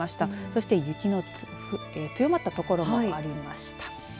そして、雪の強まった所もありました。